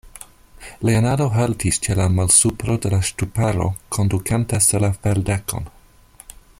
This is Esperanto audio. Leonardo haltis ĉe la malsupro de la ŝtuparo, kondukanta sur la ferdekon.